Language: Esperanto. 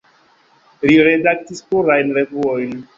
Li redaktis plurajn revuojn.